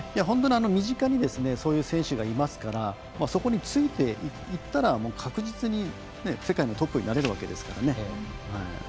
本当に身近にそういう選手がいますからそこについていったら確実に世界のトップになれるわけですから。